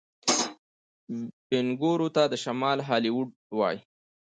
وینکوور ته د شمال هالیوډ وايي.